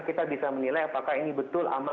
kita bisa menilai apakah ini betul amal